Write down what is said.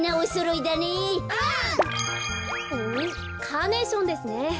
カーネーションですね。